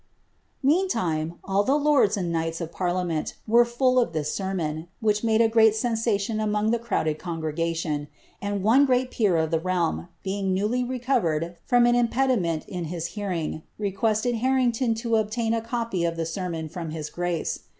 Meantime, all the lords and knighia of parliament were full of ihii sermon, which made a great sensation among the crowded congreEalioni BJid one great peer cf the realm, being nevily recovered from an impedi ment in his bearing, requested Harrington to obtain s copy of ihe ser mon from his grace.